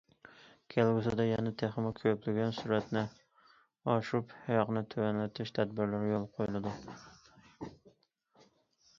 كەلگۈسىدە يەنە تېخىمۇ كۆپلىگەن سۈرئەتنى ئاشۇرۇپ ھەقنى تۆۋەنلىتىش تەدبىرلىرى يولغا قويۇلىدۇ.